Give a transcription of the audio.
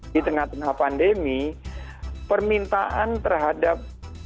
di tengah tengah pandemi permintaan terhadap